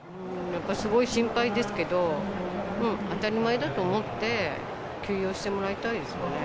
やっぱすごい心配ですけど、当たり前だと思って、休養してもらいたいですよね。